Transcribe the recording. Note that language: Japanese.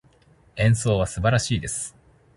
演奏は素晴らしいです。